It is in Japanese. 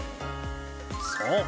そう。